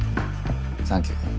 サンキュ。